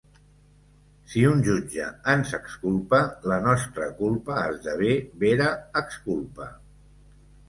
Si un jutge ens exculpa la nostra culpa esdevé vera exculpa.